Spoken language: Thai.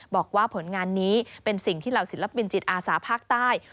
บอกว่าผลงานนี้เป็นสิ่งที่เหล่าศิลปินจิตอาสาภาคใต้